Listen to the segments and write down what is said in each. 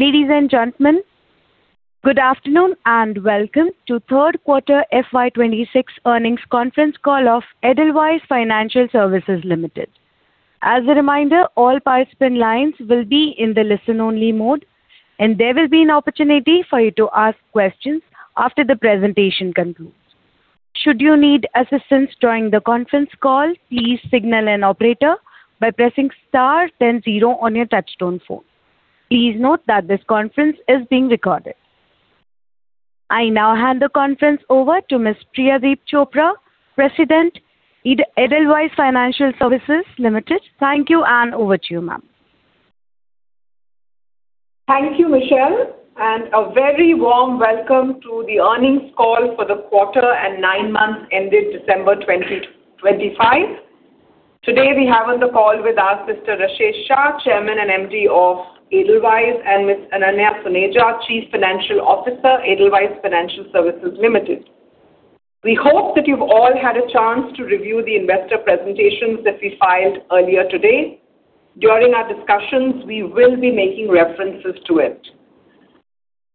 Ladies and gentlemen, good afternoon and welcome to Third Quarter FY 2026 Earnings Conference Call of Edelweiss Financial Services Limited. As a reminder, all participant lines will be in the listen-only mode, and there will be an opportunity for you to ask questions after the presentation concludes. Should you need assistance during the conference call, please signal an operator by pressing star and zero on your touchtone phone. Please note that this conference is being recorded. I now hand the conference over to Ms. Priyadeep Chopra, President, Edelweiss Financial Services Limited. Thank you, and over to you, ma'am. Thank you, Michelle, and a very warm welcome to the earnings call for the quarter and nine months ended December 2025. Today we have on the call with us Mr. Rashesh Shah, Chairman and MD of Edelweiss, and Ms. Ananya Suneja, Chief Financial Officer, Edelweiss Financial Services Limited. We hope that you've all had a chance to review the investor presentations that we filed earlier today. During our discussions, we will be making references to it.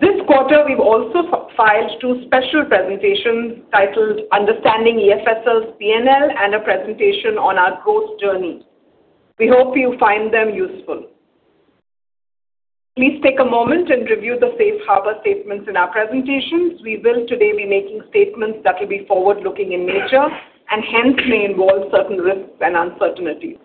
This quarter we've also filed two special presentations titled "Understanding EFSL's P&L" and a presentation on our growth journey. We hope you find them useful. Please take a moment and review the safe harbor statements in our presentations. We will today be making statements that will be forward-looking in nature and hence may involve certain risks and uncertainties.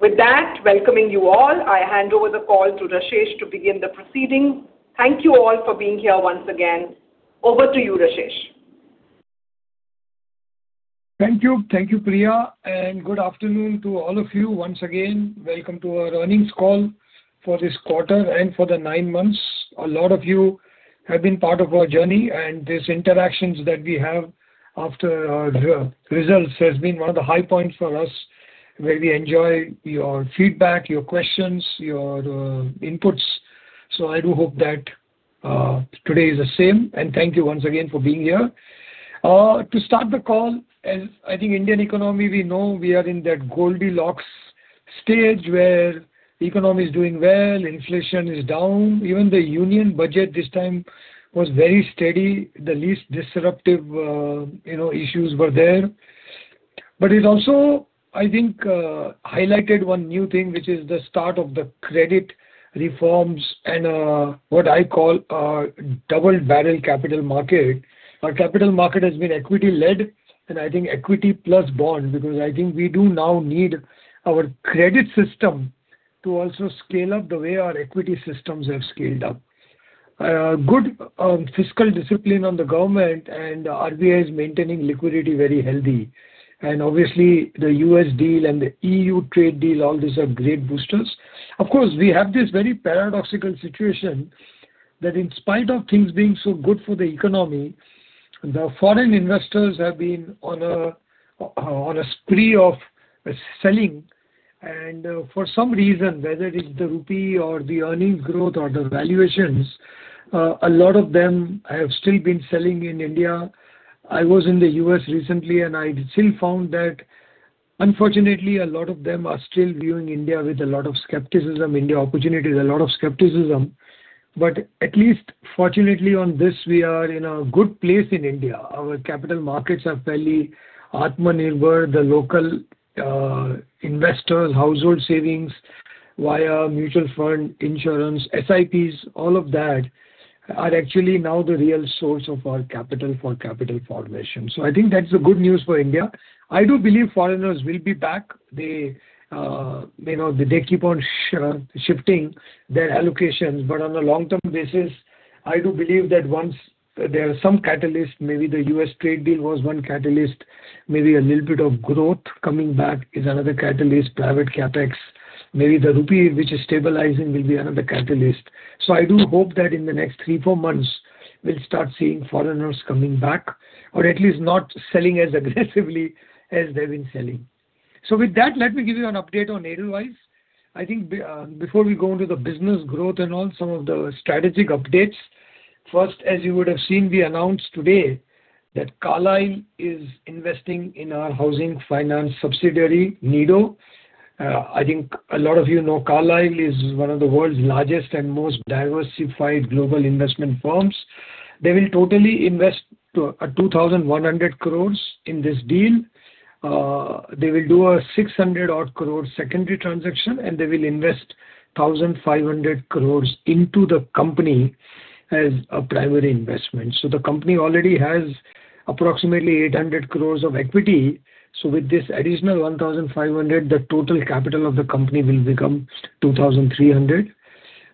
With that, welcoming you all, I hand over the call to Rashesh to begin the proceedings. Thank you all for being here once again. Over to you, Rashesh. Thank you, Priya, and good afternoon to all of you once again. Welcome to our earnings call for this quarter and for the nine months. A lot of you have been part of our journey, and these interactions that we have after our results have been one of the high points for us where we enjoy your feedback, your questions, your inputs. So I do hope that today is the same, and thank you once again for being here. To start the call, I think, Indian economy, we know we are in that Goldilocks stage where the economy is doing well, inflation is down. Even the union budget this time was very steady. The least disruptive issues were there. But it also, I think, highlighted one new thing which is the start of the credit reforms and what I call a double barrel Capital Market. Our Capital Market has been equity-led, and I think equity plus bond because I think we do now need our credit system to also scale up the way our equity systems have scaled up. Good fiscal discipline on the government, and RBI is maintaining liquidity very healthy. And obviously, the U.S. deal and the E.U. trade deal, all these are great boosters. Of course, we have this very paradoxical situation that in spite of things being so good for the economy, the foreign investors have been on a spree of selling. And for some reason, whether it's the rupee or the earnings growth or the valuations, a lot of them have still been selling in India. I was in the U.S. recently, and I still found that unfortunately, a lot of them are still viewing India with a lot of skepticism, India opportunities, a lot of skepticism. But at least fortunately on this, we are in a good place in India. Our Capital Markets are fairly Atmanirbhar, the local investors, household savings via mutual fund, insurance, SIPs, all of that are actually now the real source of our capital for capital formation. So I think that's the good news for India. I do believe foreigners will be back. They keep on shifting their allocations. But on a long-term basis, I do believe that once there are some catalysts, maybe the U.S. trade deal was one catalyst, maybe a little bit of growth coming back is another catalyst, private CapEx, maybe the rupee which is stabilizing will be another catalyst. So I do hope that in the next three, four months, we'll start seeing foreigners coming back or at least not selling as aggressively as they've been selling. So with that, let me give you an update on Edelweiss. I think before we go into the business growth and all, some of the strategic updates. First, as you would have seen, we announced today that Carlyle is investing in our housing finance subsidiary, Nido. I think a lot of you know Carlyle is one of the world's largest and most diversified global investment firms. They will totally invest 2,100 crore in this deal. They will do a 600-odd crore secondary transaction, and they will invest 1,500 crore into the company as a primary investment. So the company already has approximately 800 crore of equity. So with this additional 1,500, the total capital of the company will become 2,300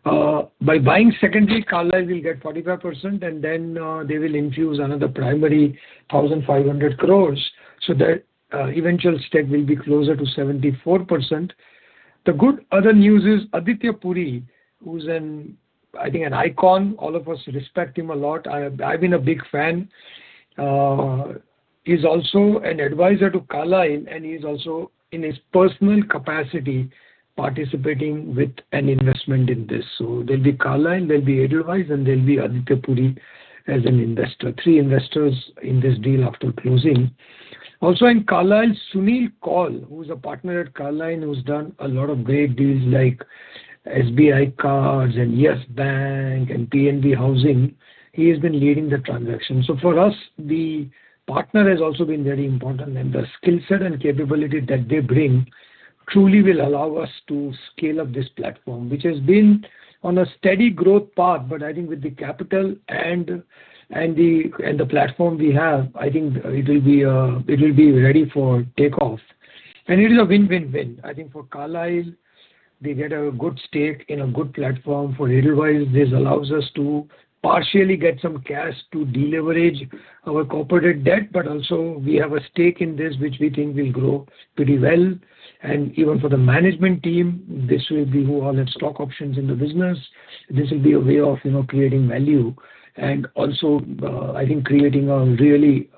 crore. By buying secondary, Carlyle will get 45%, and then they will infuse another primary 1,500 crore so that eventual stake will be closer to 74%. The good other news is Aditya Puri, who's I think an icon. All of us respect him a lot. I've been a big fan. He's also an advisor to Carlyle, and he's also in his personal capacity participating with an investment in this. So there'll be Carlyle, there'll be Edelweiss, and there'll be Aditya Puri as an investor, three investors in this deal after closing. Also in Carlyle, Sunil Kaul, who's a partner at Carlyle, who's done a lot of great deals like SBI Cards and YES Bank and PNB Housing, he has been leading the transaction. So for us, the partner has also been very important, and the skill set and capability that they bring truly will allow us to scale up this platform which has been on a steady growth path. I think with the capital and the platform we have, I think it will be ready for takeoff. It is a win-win-win. I think for Carlyle, they get a good stake in a good platform. For Edelweiss, this allows us to partially get some cash to deleverage our corporate debt, but also we have a stake in this which we think will grow pretty well. Even for the management team, this will be who all have stock options in the business. This will be a way of creating value and also, I think, creating a really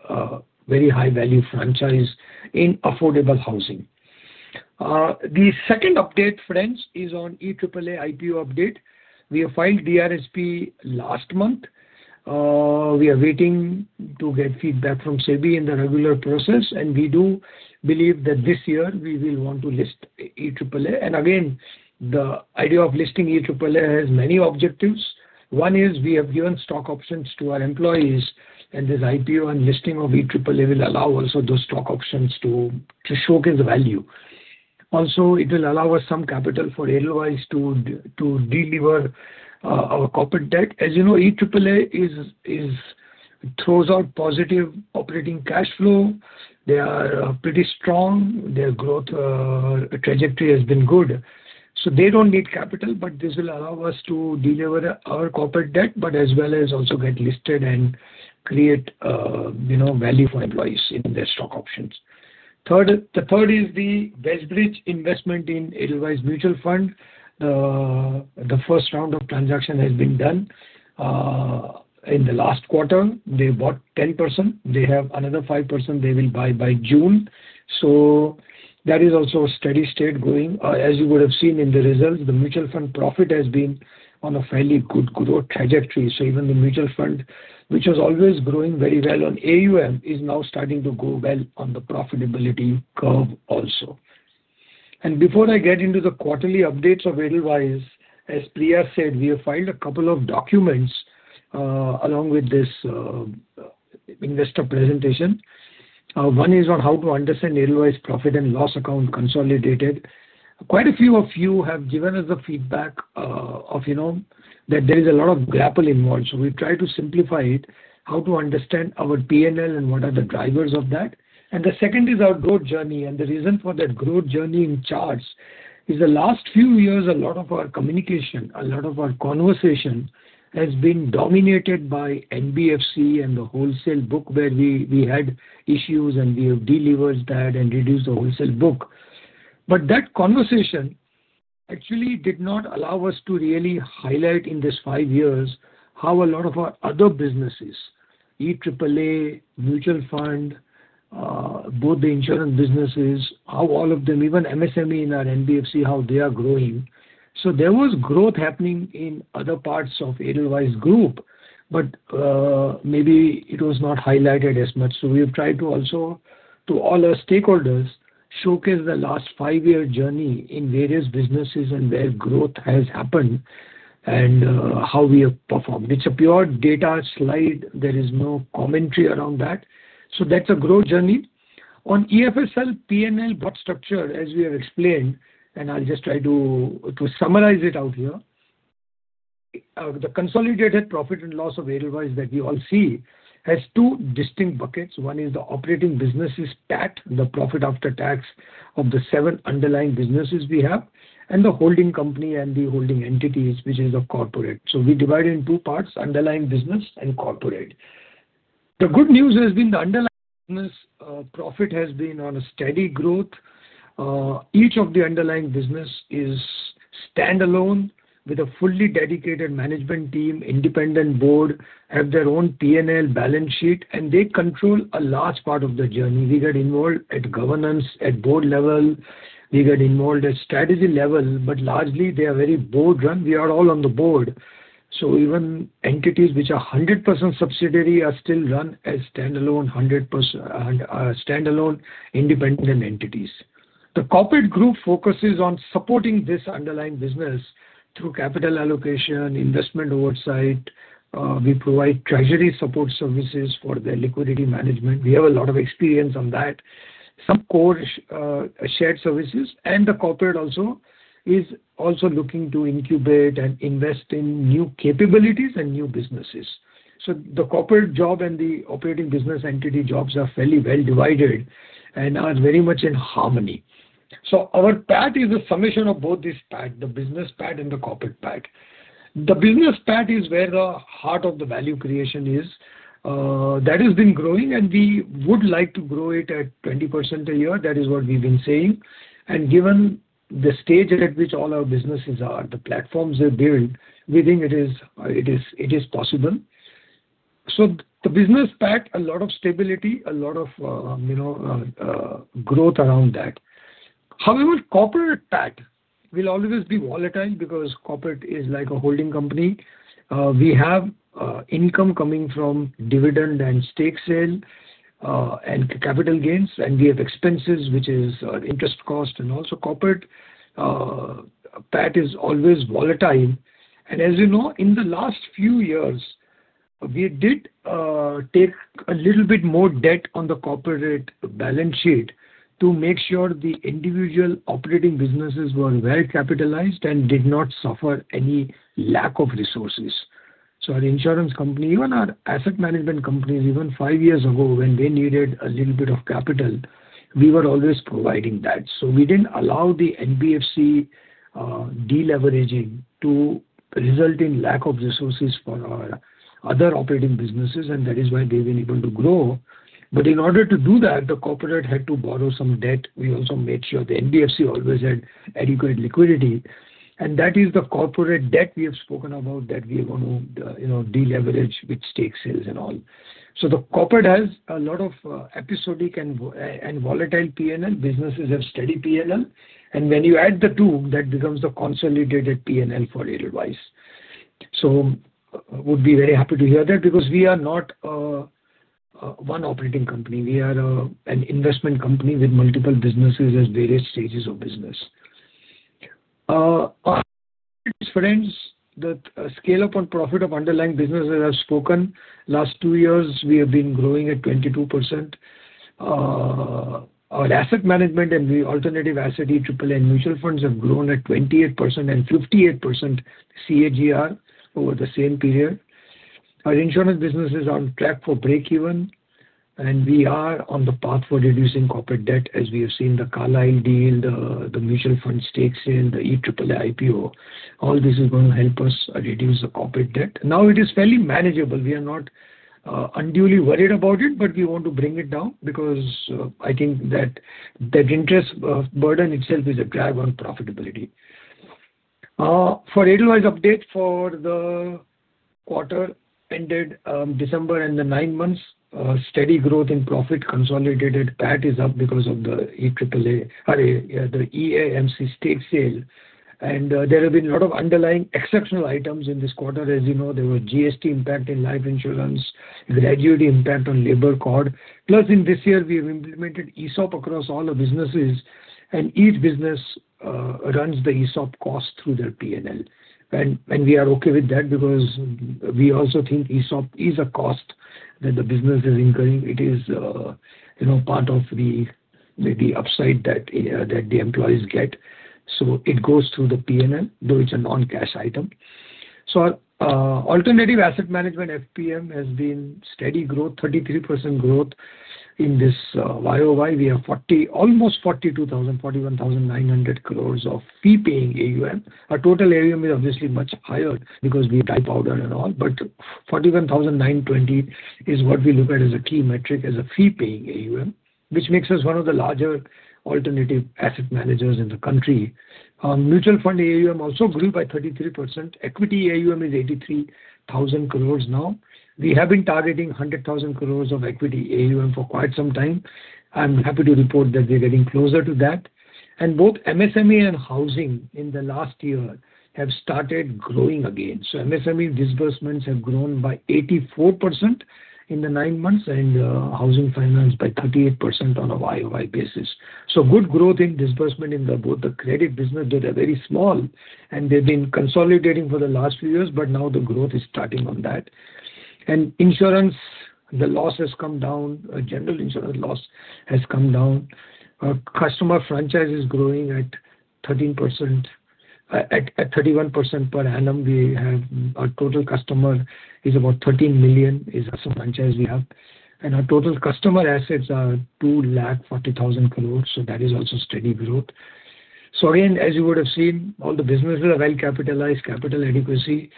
very high-value franchise in affordable housing. The second update, friends, is on EAAA IPO update. We have filed DRHP last month. We are waiting to get feedback from SEBI in the regular process, and we do believe that this year we will want to list EAAA. Again, the idea of listing EAAA has many objectives. One is we have given stock options to our employees, and this IPO and listing of EAAA will allow also those stock options to showcase value. Also, it will allow us some capital for Edelweiss to deliver our corporate debt. As you know, EAAA throws out positive operating cash flow. They are pretty strong. Their growth trajectory has been good. So they don't need capital, but this will allow us to deliver our corporate debt, but as well as also get listed and create value for employees in their stock options. The third is the WestBridge investment in Edelweiss Mutual Fund. The first round of transaction has been done in the last quarter. They bought 10%. They have another 5% they will buy by June. So that is also a steady state going. As you would have seen in the results, the mutual fund profit has been on a fairly good growth trajectory. So even the mutual fund, which was always growing very well on AUM, is now starting to go well on the profitability curve also. Before I get into the quarterly updates of Edelweiss, as Priya said, we have filed a couple of documents along with this investor presentation. One is on how to understand Edelweiss profit and loss account consolidated. Quite a few of you have given us the feedback that there is a lot of grapple involved. So we try to simplify it, how to understand our P&L and what are the drivers of that. The second is our growth journey. The reason for that growth journey in charts is the last few years, a lot of our communication, a lot of our conversation has been dominated by NBFC and the wholesale book where we had issues, and we have delivered that and reduced the wholesale book. But that conversation actually did not allow us to really highlight in these five years how a lot of our other businesses, EAAA Mutual Fund, both the insurance businesses, how all of them, even MSME in our NBFC, how they are growing. So there was growth happening in other parts of Edelweiss Group, but maybe it was not highlighted as much. So we have tried to also, to all our stakeholders, showcase the last five-year journey in various businesses and where growth has happened and how we have performed. It's a pure data slide. There is no commentary around that. So that's a growth journey. On EFSL P&L, what structure, as we have explained, and I'll just try to summarize it out here. The consolidated profit and loss of Edelweiss that we all see has two distinct buckets. One is the operating businesses PAT, the profit after tax of the seven underlying businesses we have, and the holding company and the holding entities, which is the corporate. So we divide it in two parts, underlying business and corporate. The good news has been the underlying business profit has been on a steady growth. Each of the underlying businesses is standalone with a fully dedicated management team, independent board, have their own P&L balance sheet, and they control a large part of the journey. We get involved at governance at board level. We get involved at strategy level, but largely they are very board-run. We are all on the board. So even entities which are 100% subsidiary are still run as standalone 100% independent entities. The corporate group focuses on supporting this underlying business through capital allocation, investment oversight. We provide treasury support services for their liquidity management. We have a lot of experience on that, some core shared services. And the corporate also is also looking to incubate and invest in new capabilities and new businesses. So the corporate job and the operating business entity jobs are fairly well divided and are very much in harmony. So our PAT is a summation of both this PAT, the business PAT and the corporate PAT. The business PAT is where the heart of the value creation is. That has been growing, and we would like to grow it at 20% a year. That is what we've been saying. Given the stage at which all our businesses are, the platforms they build, we think it is possible. So the business PAT, a lot of stability, a lot of growth around that. However, corporate PAT will always be volatile because corporate is like a holding company. We have income coming from dividend and stake sale and capital gains, and we have expenses which are interest cost. And also corporate PAT is always volatile. And as you know, in the last few years, we did take a little bit more debt on the corporate balance sheet to make sure the individual operating businesses were well capitalized and did not suffer any lack of resources. So our insurance company, even our asset management companies, even five years ago when they needed a little bit of capital, we were always providing that. So we didn't allow the NBFC deleveraging to result in lack of resources for our other operating businesses, and that is why they've been able to grow. But in order to do that, the corporate had to borrow some debt. We also made sure the NBFC always had adequate liquidity. And that is the corporate debt we have spoken about that we want to deleverage with stake sales and all. So the corporate has a lot of episodic and volatile P&L. Businesses have steady P&L. And when you add the two, that becomes the consolidated P&L for Edelweiss. So I would be very happy to hear that because we are not one operating company. We are an investment company with multiple businesses at various stages of business. Friends, the scale-up on profit of underlying businesses I've spoken, last two years, we have been growing at 22%. Our asset management and the alternative asset EAAA and mutual funds have grown at 28% and 58% CAGR over the same period. Our insurance businesses are on track for break-even, and we are on the path for reducing corporate debt as we have seen the Carlyle deal, the mutual fund stake sale, the EAAA IPO. All this is going to help us reduce the corporate debt. Now it is fairly manageable. We are not unduly worried about it, but we want to bring it down because I think that that interest burden itself is a drag on profitability. For Edelweiss update, for the quarter ended December and the nine months, steady growth in profit consolidated PAT is up because of the EAAA stake sale. And there have been a lot of underlying exceptional items in this quarter. As you know, there was GST impact in life insurance, gratuity impact on Labour Code. Plus in this year, we have implemented ESOP across all our businesses, and each business runs the ESOP cost through their P&L. And we are okay with that because we also think ESOP is a cost that the business is incurring. It is part of the upside that the employees get. So it goes through the P&L, though it's a non-cash item. So alternative asset management FPM has been steady growth, 33% growth in this YoY. We have almost 42,000, 41,900 crore of fee-paying AUM. Our total AUM is obviously much higher because we dry powder and all, but 41,920 is what we look at as a key metric as a fee-paying AUM, which makes us one of the larger alternative asset managers in the country. Mutual fund AUM also grew by 33%. Equity AUM is 83,000 crore now. We have been targeting 100,000 crore of equity AUM for quite some time. I'm happy to report that they're getting closer to that. Both MSME and housing in the last year have started growing again. So MSME disbursements have grown by 84% in the nine months and housing finance by 38% on a year-over-year basis. Good growth in disbursement in both the credit business. They're very small, and they've been consolidating for the last few years, but now the growth is starting on that. Insurance, the loss has come down. General insurance loss has come down. Customer franchise is growing at 31% per annum. Our total customer is about 13 million as a franchise we have. Our total customer assets are 240,000 crore. That is also steady growth. So again, as you would have seen, all the businesses are well capitalized, capital adequacy,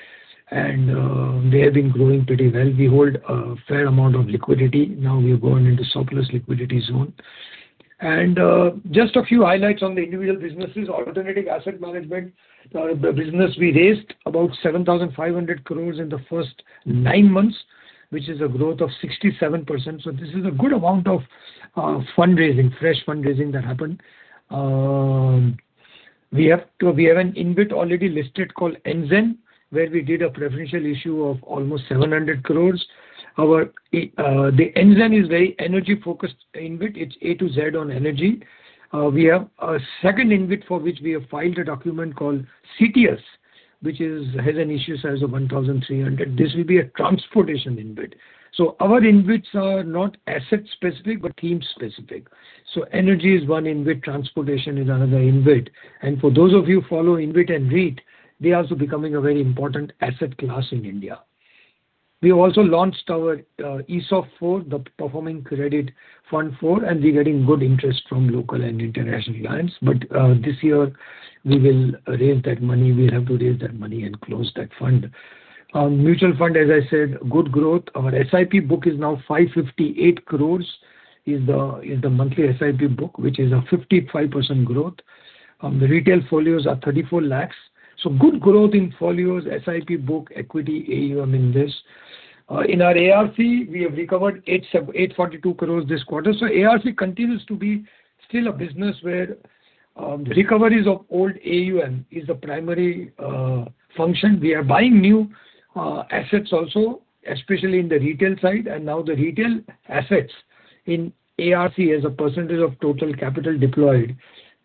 and they have been growing pretty well. We hold a fair amount of liquidity. Now we are going into surplus liquidity zone. And just a few highlights on the individual businesses, alternative asset management, the business we raised about 7,500 crore in the first nine months, which is a growth of 67%. So this is a good amount of fundraising, fresh fundraising that happened. We have an InvIT already listed called Anzen where we did a preferential issue of almost 700 crore. The Anzen is very energy-focused InvIT. It's Anzen on energy. We have a second InvIT for which we have filed a document called CTS, which has an issue size of 1,300 crore. This will be a transportation InvIT. So our InvITs are not asset-specific but theme-specific. So energy is one InvIT, transportation is another InvIT. And for those of you who follow InvIT and REIT, they are also becoming a very important asset class in India. We also launched our ESOP 4, the Performing Credit Fund 4, and we're getting good interest from local and international clients. But this year we will raise that money. We'll have to raise that money and close that fund. Mutual fund, as I said, good growth. Our SIP book is now 558 crore. It's the monthly SIP book, which is a 55% growth. The retail folios are 34 lakh. So good growth in folios, SIP book, equity, AUM in this. In our ARC, we have recovered 842 crore this quarter. So ARC continues to be still a business where recoveries of old AUM is the primary function. We are buying new assets also, especially in the retail side. And now the retail assets in ARC as a percentage of total capital deployed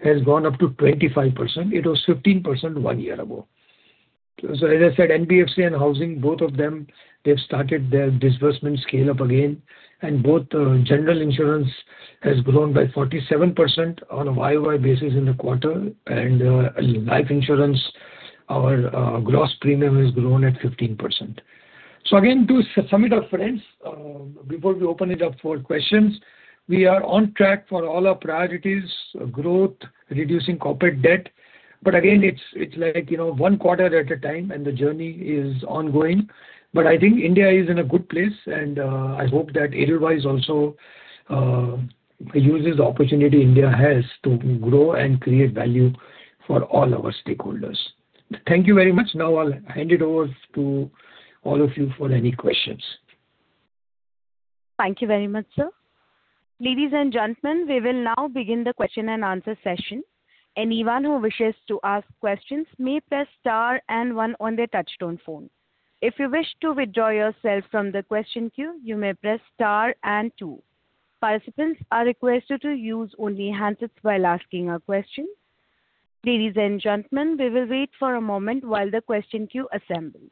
has gone up to 25%. It was 15% one year ago. So as I said, NBFC and housing, both of them, they've started their disbursement scale-up again. And both general insurance has grown by 47% on a YoY basis in the quarter. And life insurance, our gross premium has grown at 15%. So again, to sum it up, friends, before we open it up for questions, we are on track for all our priorities, growth, reducing corporate debt. But again, it's like one quarter at a time, and the journey is ongoing. But I think India is in a good place, and I hope that Edelweiss also uses the opportunity India has to grow and create value for all our stakeholders. Thank you very much. Now I'll hand it over to all of you for any questions. Thank you very much, sir. Ladies and gentlemen, we will now begin the question and answer session. Anyone who wishes to ask questions may press star and one on their touchtone phone. If you wish to withdraw yourself from the question queue, you may press star and two. Participants are requested to use only handset while asking a question. Ladies and gentlemen, we will wait for a moment while the question queue assembles.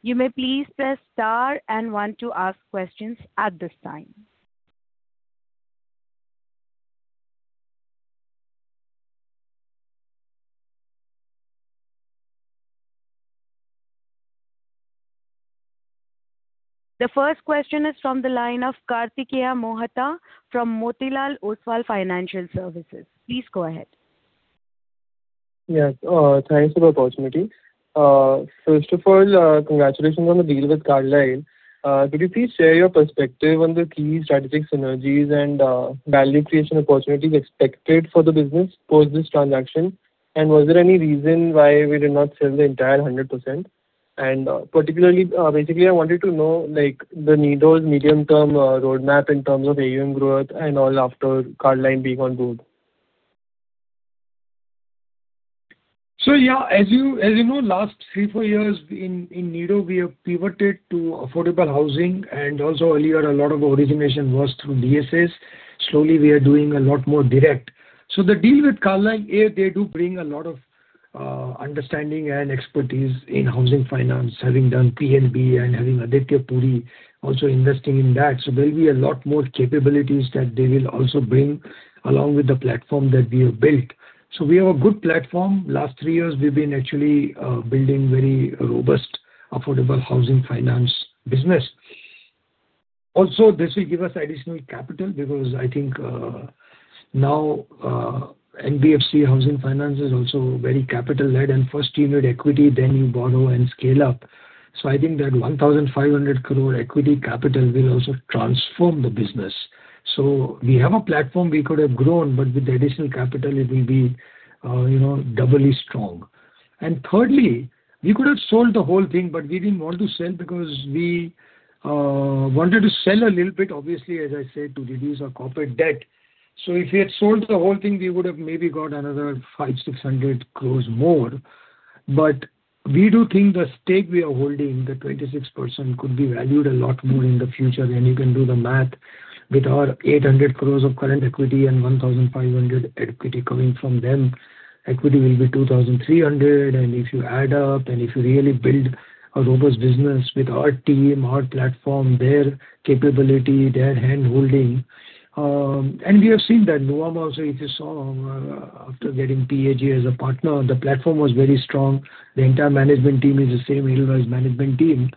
You may please press star and one to ask questions at this time. The first question is from the line of Kartikeya Mohta from Motilal Oswal Financial Services. Please go ahead. Yes. Thanks for the opportunity. First of all, congratulations on the deal with Carlyle. Could you please share your perspective on the key strategic synergies and value creation opportunities expected for the business post this transaction? Was there any reason why we did not sell the entire 100%? Basically, I wanted to know the Nido's medium-term roadmap in terms of AUM growth and all after Carlyle being on board. So yeah, as you know, last three, four years in Nido, we have pivoted to affordable housing. And also earlier, a lot of the origination was through DSS. Slowly, we are doing a lot more direct. So the deal with Carlyle, they do bring a lot of understanding and expertise in housing finance, having done PNB and having Aditya Puri also investing in that. So there'll be a lot more capabilities that they will also bring along with the platform that we have built. So we have a good platform. Last three years, we've been actually building a very robust affordable housing finance business. Also, this will give us additional capital because I think now NBFC housing finance is also very capital-led. And first you need equity, then you borrow and scale up. So I think that 1,500 crore equity capital will also transform the business. So we have a platform we could have grown, but with additional capital, it will be doubly strong. And thirdly, we could have sold the whole thing, but we didn't want to sell because we wanted to sell a little bit, obviously, as I said, to reduce our corporate debt. So if we had sold the whole thing, we would have maybe got another 500 crore-600 crore more. But we do think the stake we are holding, the 26%, could be valued a lot more in the future. And you can do the math. With our 800 crore of current equity and 1,500 crore equity coming from them, equity will be 2,300 crore. If you add up and if you really build a robust business with our team, our platform, their capability, their handholding, and we have seen that Nuvama also, if you saw after getting PAG as a partner, the platform was very strong. The entire management team is the same Edelweiss management team.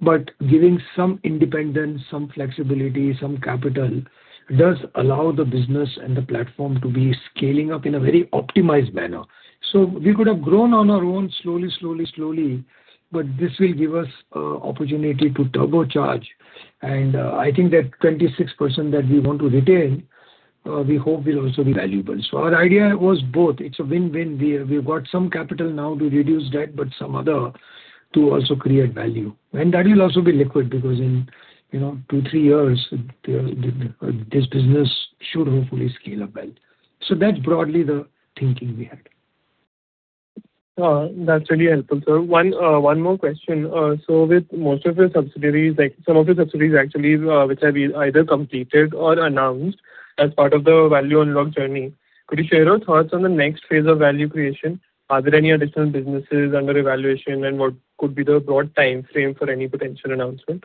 But giving some independence, some flexibility, some capital does allow the business and the platform to be scaling up in a very optimized manner. So we could have grown on our own slowly, slowly, slowly, but this will give us an opportunity to turbocharge. And I think that 26% that we want to retain, we hope will also be valuable. So our idea was both. It's a win-win. We've got some capital now to reduce debt, but some other to also create value. That will also be liquid because in two-three years, this business should hopefully scale up well. That's broadly the thinking we had. That's really helpful, sir. One more question. With most of your subsidiaries, some of your subsidiaries actually, which have either completed or announced as part of the value unlock journey, could you share your thoughts on the next phase of value creation? Are there any additional businesses under evaluation, and what could be the broad time frame for any potential announcement?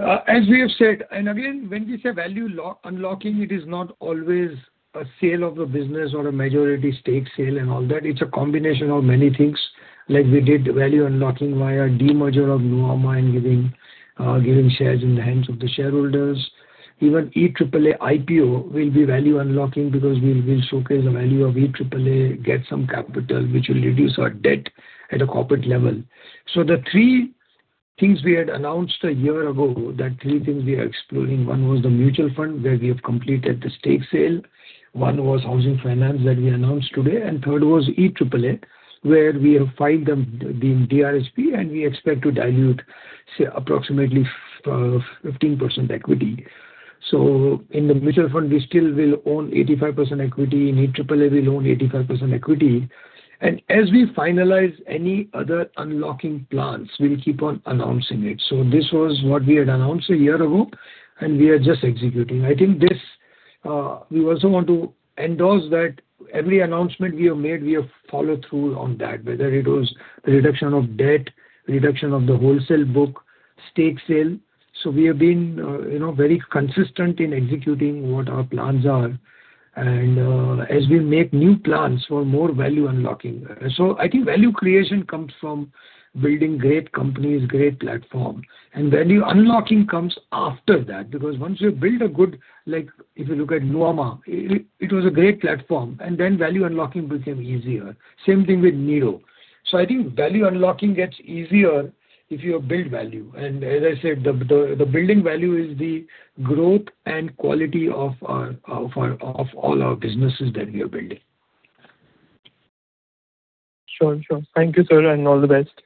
As we have said, and again, when we say value unlocking, it is not always a sale of the business or a majority stake sale and all that. It's a combination of many things. Like we did value unlocking via demerger of Nuvama and giving shares in the hands of the shareholders. Even EAAA IPO will be value unlocking because we'll showcase the value of EAAA, get some capital, which will reduce our debt at a corporate level. So the three things we had announced a year ago, that three things we are exploring, one was the mutual fund where we have completed the stake sale. One was housing finance that we announced today. And third was EAAA where we have filed them in DRHP, and we expect to dilute approximately 15% equity. So in the mutual fund, we still will own 85% equity. In EAAA, we'll own 85% equity. As we finalize any other unlocking plans, we'll keep on announcing it. So this was what we had announced a year ago, and we are just executing. I think we also want to endorse that every announcement we have made, we have followed through on that, whether it was the reduction of debt, reduction of the wholesale book, stake sale. So we have been very consistent in executing what our plans are. And as we make new plans for more value unlocking, so I think value creation comes from building great companies, great platform. And value unlocking comes after that because once you build a good if you look at Nuvama, it was a great platform. And then value unlocking became easier. Same thing with Nido. So I think value unlocking gets easier if you build value. As I said, the building value is the growth and quality of all our businesses that we are building. Sure, sure. Thank you, sir, and all the best.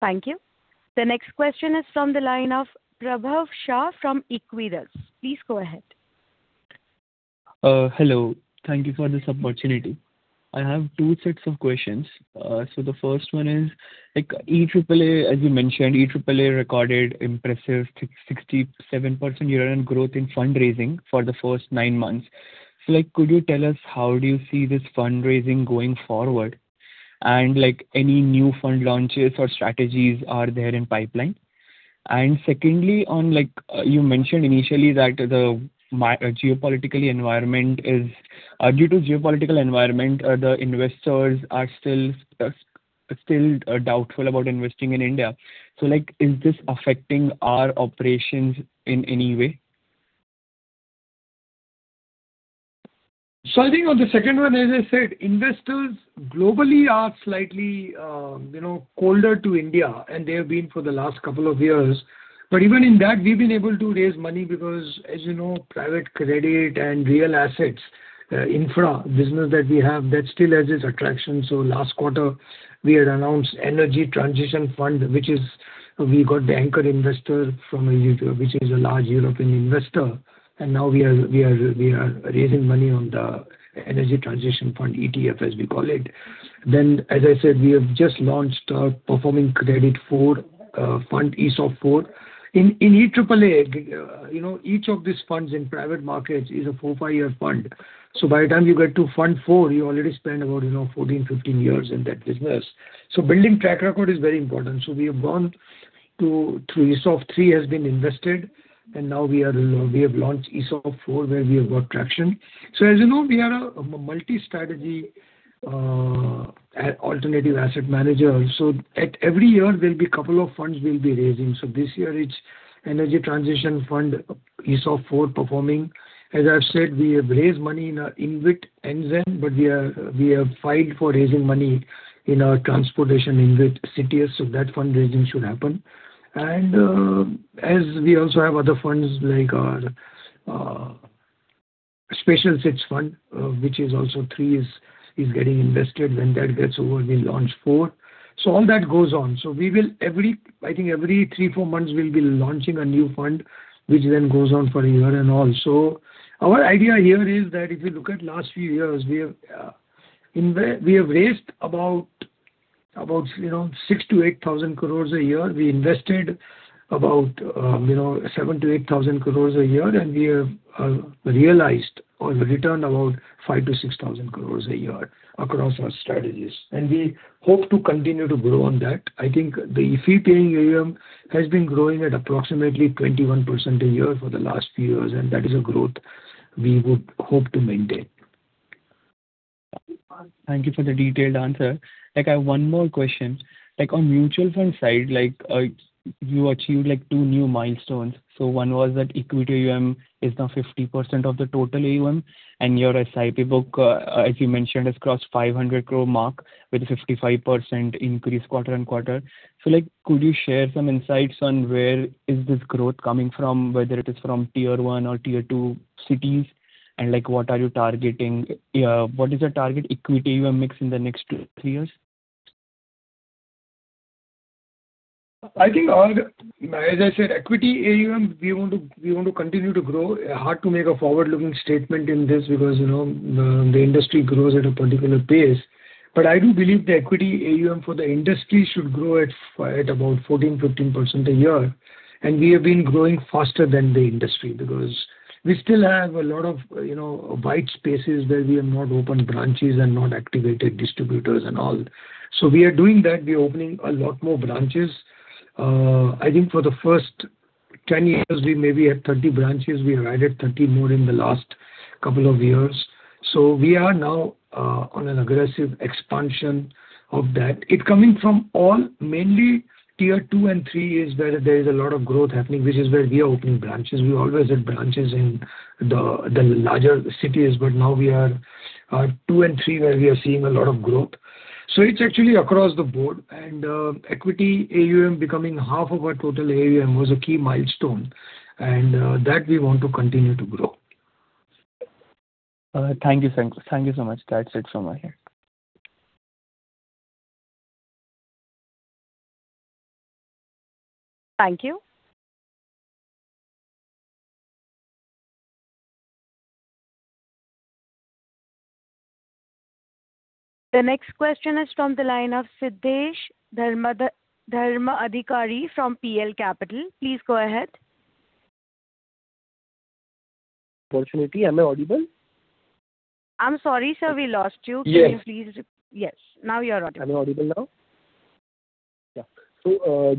Thank you. The next question is from the line of Prabhav Shah from Equirus. Please go ahead. Hello. Thank you for this opportunity. I have two sets of questions. So the first one is, as you mentioned, EAAA recorded impressive 67% year-on-year growth in fundraising for the first nine months. So could you tell us how do you see this fundraising going forward? And any new fund launches or strategies are there in pipeline? And secondly, you mentioned initially that the geopolitical environment is due to geopolitical environment, the investors are still doubtful about investing in India. So is this affecting our operations in any way? So I think on the second one, as I said, investors globally are slightly colder to India, and they have been for the last couple of years. But even in that, we've been able to raise money because, as you know, private credit and real assets, infra, business that we have, that still has its attraction. So last quarter, we had announced Energy Transition Fund, which is we got the anchor investor from which is a large European investor. And now we are raising money on the Energy Transition Fund ETF, as we call it. Then, as I said, we have just launched our Performing Credit Fund, ESOP 4. In EAAA, each of these funds in private markets is a four, five-year fund. So by the time you get to Fund 4, you already spend about 14, 15 years in that business. So building track record is very important. So we have gone through ESOP 3 has been invested, and now we have launched ESOP 4 where we have got traction. So as you know, we are a multi-strategy alternative asset manager. So every year, there'll be a couple of funds we'll be raising. So this year, it's Energy Transition Fund, ESOP 4 performing. As I've said, we have raised money in our InvIT Anzen, but we have filed for raising money in our transportation InvIT CTS. So that fundraising should happen. And as we also have other funds like our special situations fund, which is also three is getting invested. When that gets over, we'll launch four. So all that goes on. So I think every three, four months, we'll be launching a new fund, which then goes on for a year and all. Our idea here is that if you look at last few years, we have raised about 6,000 crore-8,000 crore a year. We invested about 7,000 crore-8,000 crore a year, and we have realized or returned about 5,000 crore-6,000 crore a year across our strategies. And we hope to continue to grow on that. I think the fee paying AUM has been growing at approximately 21% a year for the last few years, and that is a growth we would hope to maintain. Thank you for the detailed answer. I have one more question. On mutual fund side, you achieved two new milestones. So one was that Equity AUM is now 50% of the total AUM, and your SIP book, as you mentioned, has crossed 500 crore mark with a 55% increase quarter-on-quarter. So could you share some insights on where is this growth coming from, whether it is from tier one or tier two cities, and what are you targeting? What is your target equity AUM mix in the next three years? I think, as I said, equity AUM, we want to continue to grow. Hard to make a forward-looking statement in this because the industry grows at a particular pace. But I do believe the equity AUM for the industry should grow at about 14%-15% a year. We have been growing faster than the industry because we still have a lot of white spaces where we have not opened branches and not activated distributors and all. So we are doing that. We are opening a lot more branches. I think for the first 10 years, we maybe had 30 branches. We have added 30 more in the last couple of years. We are now on an aggressive expansion of that. It's coming from all, mainly tier two and three is where there is a lot of growth happening, which is where we are opening branches. We always had branches in the larger cities, but now we are two and three where we are seeing a lot of growth. So it's actually across the board. And equity AUM becoming half of our total AUM was a key milestone. And that we want to continue to grow. Thank you so much. That's it from my side. Thank you. The next question is from the line of Siddhesh Dharmadhikari from PL Capital. Please go ahead. Operator, am I audible? I'm sorry, sir, we lost you. Can you please? Yes. Yes, now you're audible. Am I audible now? Yeah.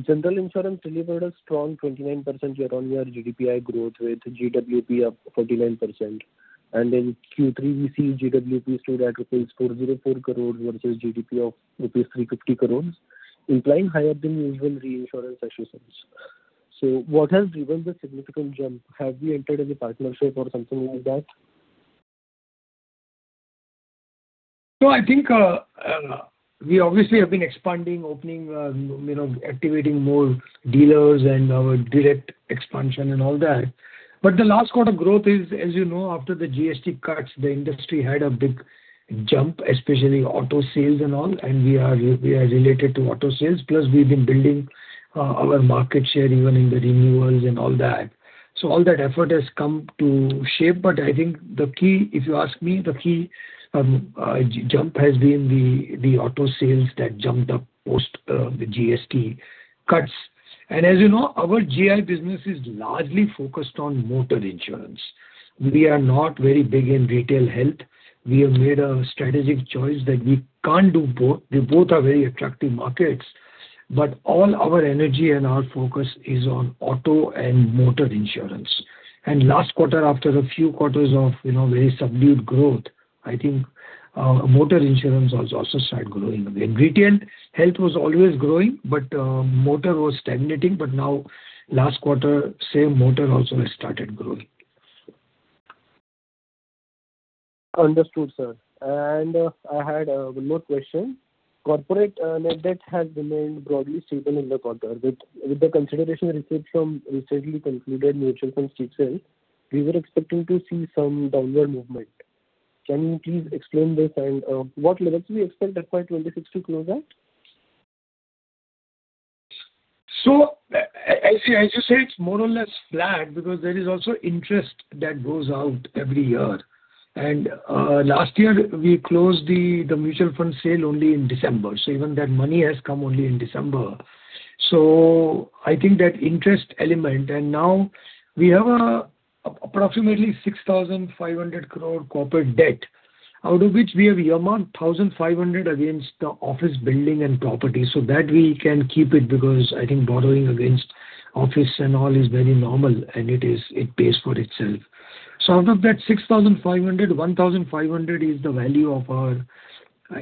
General insurance delivered a strong 29% year-on-year GDPI growth with GWP of 49%. In Q3, we see GWP stood at rupees 404 crores versus GDP of rupees 350 crores, implying higher-than-usual reinsurance assessments. What has driven the significant jump? Have we entered any partnership or something like that? So I think we obviously have been expanding, opening, activating more dealers and our direct expansion and all that. But the last quarter growth is, as you know, after the GST cuts, the industry had a big jump, especially auto sales and all. And we are related to auto sales. Plus, we've been building our market share even in the renewals and all that. So all that effort has come to shape. But I think the key, if you ask me, the key jump has been the auto sales that jumped up post the GST cuts. And as you know, our GI business is largely focused on motor insurance. We are not very big in retail health. We have made a strategic choice that we can't do both. They both are very attractive markets. But all our energy and our focus is on auto and motor insurance. Last quarter, after a few quarters of very subdued growth, I think motor insurance has also started growing again. Retail health was always growing, but motor was stagnating. Now, last quarter, same motor also has started growing. Understood, sir. I had one more question. Corporate net debt has remained broadly stable in the quarter. With the consideration received from recently concluded mutual funds TCL, we were expecting to see some downward movement. Can you please explain this? What levels do we expect FY26 to close at? So as you said, it's more or less flat because there is also interest that goes out every year. And last year, we closed the mutual fund sale only in December. So even that money has come only in December. So I think that interest element and now we have approximately 6,500 crore corporate debt, out of which we have earmarked 1,500 against the office building and property so that we can keep it because I think borrowing against office and all is very normal, and it pays for itself. So out of that 6,500, 1,500 is the value of our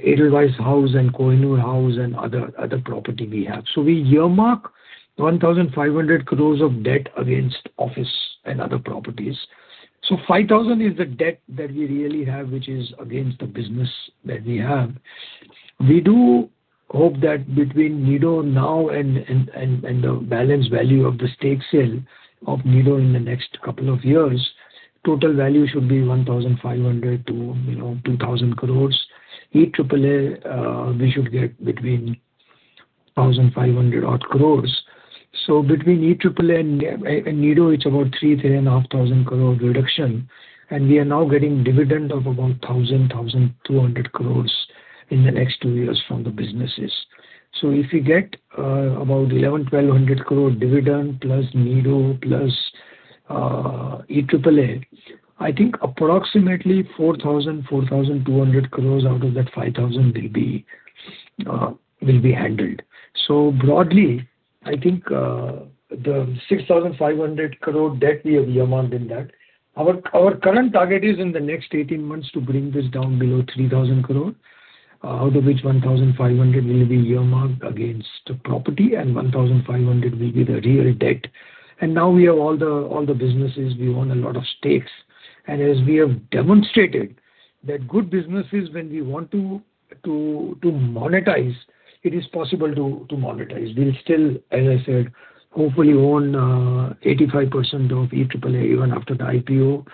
Edelweiss House and Kohinoor House and other property we have. So we earmark 1,500 crore of debt against office and other properties. So 5,000 is the debt that we really have, which is against the business that we have. We do hope that between Nido now and the balance value of the stake sale of Nido in the next couple of years, total value should be 1,500-2,000 crores. EAAA, we should get between 1,500-odd crores. So between EAAA and Nido, it's about 3,000 and 500 crore reduction. And we are now getting dividend of about 1,000-1,200 crores in the next two years from the businesses. So if we get about 1,100-1,200 crore dividend plus Nido plus EAAA, I think approximately 4,000-4,200 crores out of that 5,000 will be handled. So broadly, I think the 6,500 crore debt we have earmarked in that. Our current target is in the next 18 months to bring this down below 3,000 crore, out of which 1,500 will be earmarked against the property and 1,500 will be the real debt. Now we have all the businesses. We own a lot of stakes. As we have demonstrated that good businesses, when we want to monetize, it is possible to monetize. We'll still, as I said, hopefully own 85% of EAAA. Even after the IPO,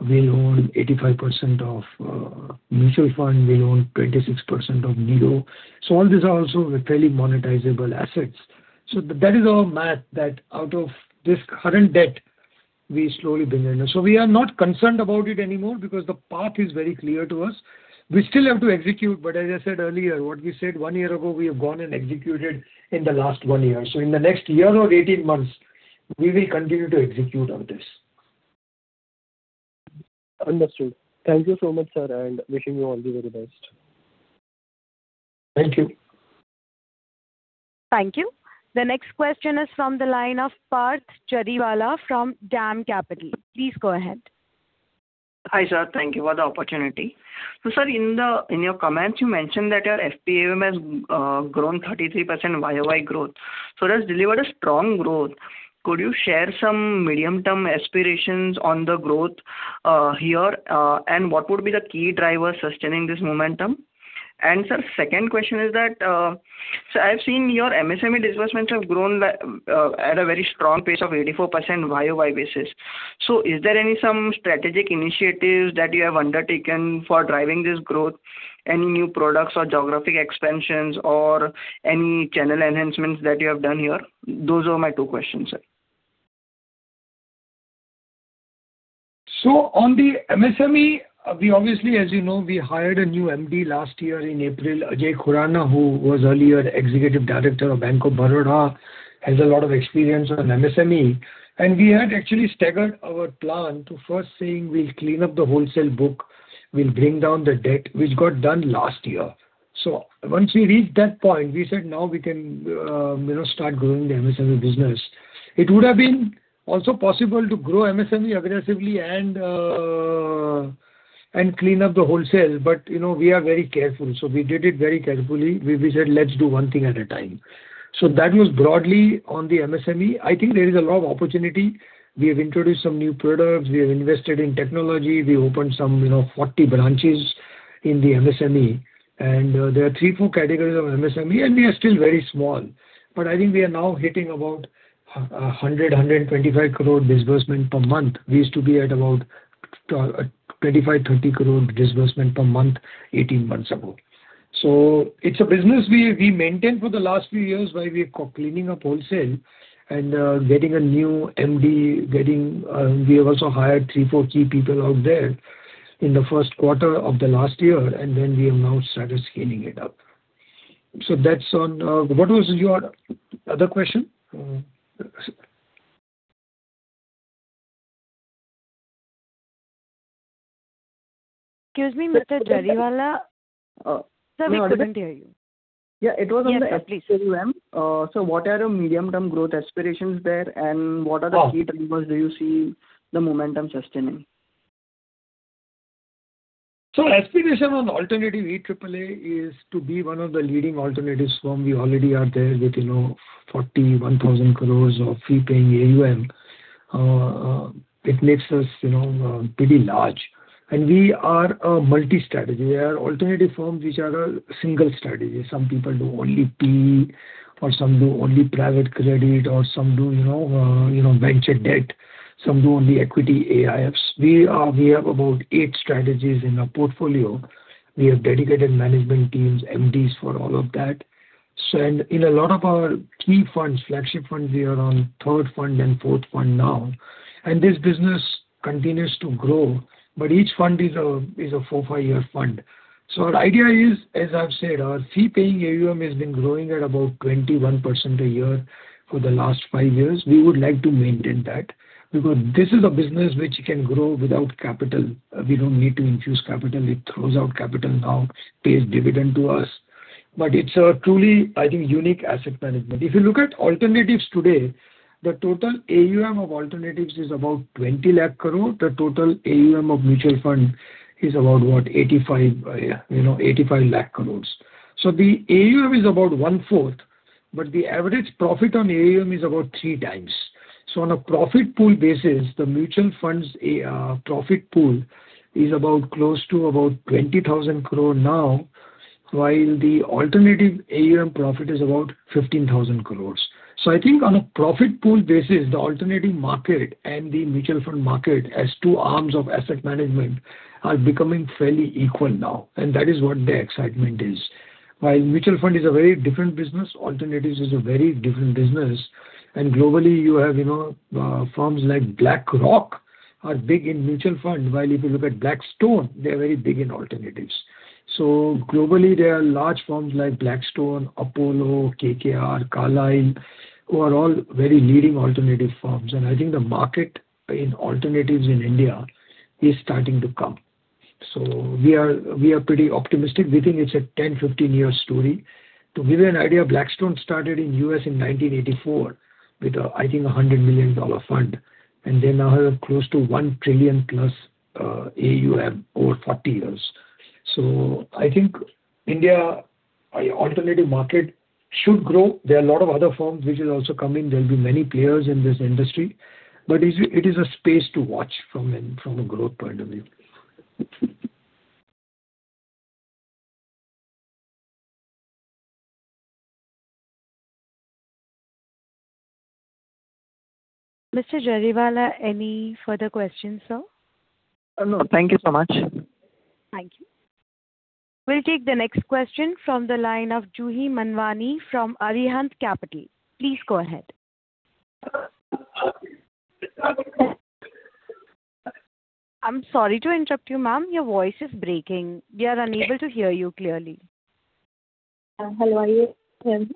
we'll own 85% of mutual fund. We'll own 26% of NEDO. All these are also fairly monetizable assets. That is our math that out of this current debt, we slowly bring in. We are not concerned about it anymore because the path is very clear to us. We still have to execute. As I said earlier, what we said one year ago, we have gone and executed in the last one year. In the next year or 18 months, we will continue to execute on this. Understood. Thank you so much, sir, and wishing you all the very best. Thank you. Thank you. The next question is from the line of Parth Chariwala from DAM Capital. Please go ahead. Hi, sir. Thank you for the opportunity. So sir, in your comments, you mentioned that your FPAM has grown 33% YoY growth. So that's delivered a strong growth. Could you share some medium-term aspirations on the growth here? And what would be the key drivers sustaining this momentum? And sir, second question is that so I have seen your MSME disbursements have grown at a very strong pace of 84% YoY basis. So is there any some strategic initiatives that you have undertaken for driving this growth, any new products or geographic expansions or any channel enhancements that you have done here? Those are my two questions, sir. So on the MSME, we obviously, as you know, we hired a new MD last year in April, Ajay Khurana, who was earlier executive director of Bank of Baroda, has a lot of experience on MSME. And we had actually staggered our plan to first saying we'll clean up the wholesale book, we'll bring down the debt, which got done last year. So once we reached that point, we said now we can start growing the MSME business. It would have been also possible to grow MSME aggressively and clean up the wholesale, but we are very careful. So we did it very carefully. We said, "Let's do one thing at a time." So that was broadly on the MSME. I think there is a lot of opportunity. We have introduced some new products. We have invested in technology. We opened some 40 branches in the MSME. There are 3-4 categories of MSME, and we are still very small. But I think we are now hitting about 100-125 crore disbursement per month. We used to be at about 25-30 crore disbursement per month 18 months ago. So it's a business we maintained for the last few years by cleaning up wholesale and getting a new MD. We have also hired 3-4 key people out there in the first quarter of the last year, and then we have now started scaling it up. So that's on what was your other question? Excuse me, Mr. Chariwala. Sorry, I couldn't hear you. Yeah, it was on the SAUM. So what are your medium-term growth aspirations there? And what are the key drivers do you see the momentum sustaining? So aspiration on alternative EAAA is to be one of the leading alternatives firms. We already are there with 41,000 crore of fee paying AUM. It makes us pretty large. And we are a multi-strategy. We are alternative firms which are a single strategy. Some people do only PE, or some do only private credit, or some do venture debt. Some do only equity AIFs. We have about eight strategies in our portfolio. We have dedicated management teams, MDs for all of that. And in a lot of our key funds, flagship funds, we are on third fund and fourth fund now. And this business continues to grow, but each fund is a four, five-year fund. So our idea is, as I've said, our fee paying AUM has been growing at about 21% a year for the last five years. We would like to maintain that because this is a business which can grow without capital. We don't need to infuse capital. It throws out capital now, pays dividend to us. But it's truly, I think, unique asset management. If you look at alternatives today, the total AUM of alternatives is about 2 million crore. The total AUM of mutual fund is about, what, 8.5 miilion crore. So the AUM is about one-fourth, but the average profit on AUM is about three times. So on a profit pool basis, the mutual funds profit pool is close to about 20,000 crore now, while the alternative AUM profit is about 15,000 crore. So I think on a profit pool basis, the alternative market and the mutual fund market as two arms of asset management are becoming fairly equal now. And that is what the excitement is. While mutual fund is a very different business, alternatives is a very different business. Globally, you have firms like BlackRock are big in mutual fund, while if you look at Blackstone, they are very big in alternatives. Globally, there are large firms like Blackstone, Apollo, KKR, Carlyle. Who are all very leading alternative firms. And I think the market in alternatives in India is starting to come. So we are pretty optimistic. We think it's a 10-15-year story. To give you an idea, Blackstone started in the U.S. in 1984 with, I think, $100 million fund. And then now have close to $1 trillion+ AUM over 40 years. So I think India alternative market should grow. There are a lot of other firms which will also come in. There'll be many players in this industry. But it is a space to watch from a growth point of view. Mr. Chariwala, any further questions, sir? No. Thank you so much. Thank you. We'll take the next question from the line of Jhanvi Manvani from Arihant Capital. Please go ahead. I'm sorry to interrupt you, ma'am. Your voice is breaking. We are unable to hear you clearly. Hello. Are you hearing me?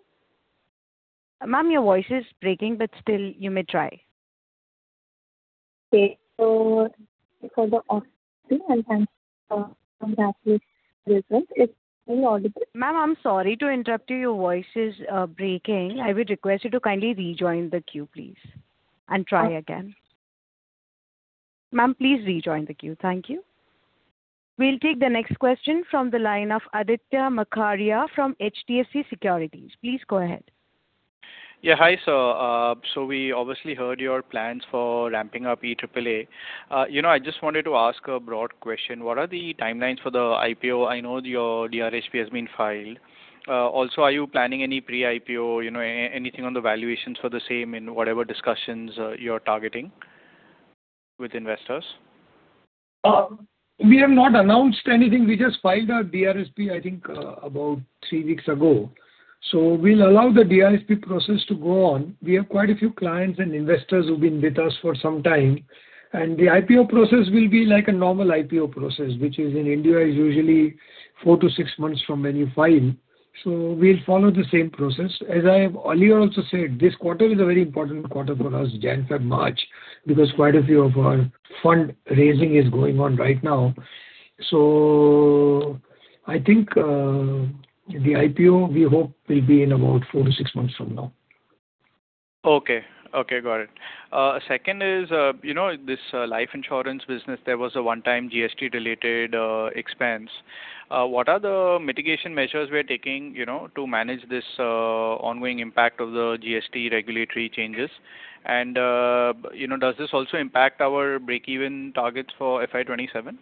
Ma'am, your voice is breaking, but still, you may try. Okay. So for the office and congratulations on the results, it's still audible. Ma'am, I'm sorry to interrupt you. Your voice is breaking. I would request you to kindly rejoin the queue, please, and try again. Ma'am, please rejoin the queue. Thank you. We'll take the next question from the line of Aditya Makharia from HDFC Securities. Please go ahead. Yeah. Hi. So we obviously heard your plans for ramping up EAAA. I just wanted to ask a broad question. What are the timelines for the IPO? I know your DRHP has been filed. Also, are you planning any pre-IPO, anything on the valuations for the same in whatever discussions you're targeting with investors? We have not announced anything. We just filed our DRHP, I think, about 3 weeks ago. So we'll allow the DRHP process to go on. We have quite a few clients and investors who've been with us for some time. And the IPO process will be like a normal IPO process, which in India is usually 4-6 months from when you file. So we'll follow the same process. As I have earlier also said, this quarter is a very important quarter for us, January-February, because quite a few of our fund raising is going on right now. So I think the IPO, we hope, will be in about 4-6 months from now. Okay. Okay. Got it. Second is this life insurance business, there was a one-time GST-related expense. What are the mitigation measures we are taking to manage this ongoing impact of the GST regulatory changes? And does this also impact our break-even targets for FI27?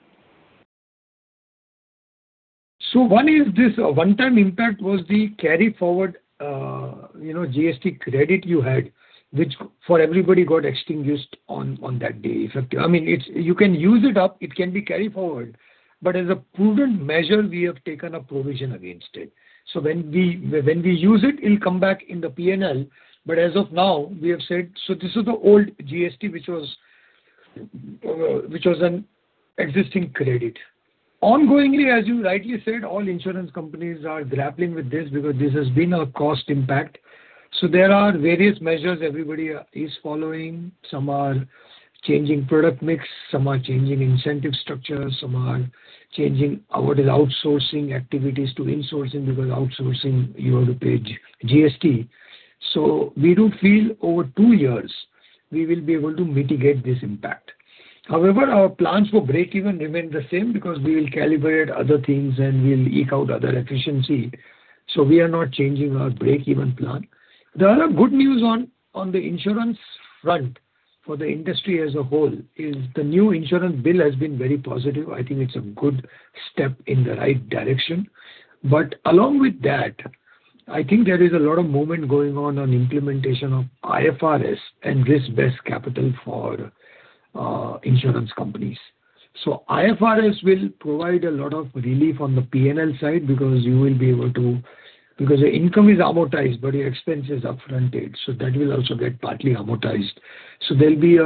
So one is this one-time impact was the carry-forward GST credit you had, which for everybody got extinguished on that day effectively. I mean, you can use it up. It can be carried forward. But as a prudent measure, we have taken a provision against it. So when we use it, it'll come back in the P&L. But as of now, we have said so this is the old GST, which was an existing credit. Ongoingly, as you rightly said, all insurance companies are grappling with this because this has been a cost impact. So there are various measures everybody is following. Some are changing product mix. Some are changing incentive structures. Some are changing what is outsourcing activities to insourcing because outsourcing, you have to pay GST. So we do feel over two years, we will be able to mitigate this impact. However, our plans for break-even remain the same because we will calibrate other things, and we'll eke out other efficiency. So we are not changing our break-even plan. The other good news on the insurance front for the industry as a whole is the new insurance bill has been very positive. I think it's a good step in the right direction. But along with that, I think there is a lot of movement going on on implementation of IFRS and risk-based capital for insurance companies. So IFRS will provide a lot of relief on the P&L side because you will be able to because your income is amortized, but your expense is upfronted. So that will also get partly amortized. So there'll be